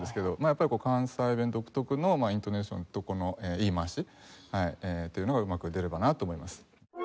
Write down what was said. やっぱり関西弁独特のイントネーションと言い回しというのがうまく出ればなと思います。